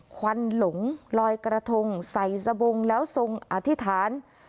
ควันหลงลอยกระทงใส่สบงแล้วทรงอธิษฐาน